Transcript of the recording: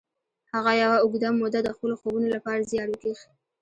هغه یوه اوږده موده د خپلو خوبونو لپاره زیار وکیښ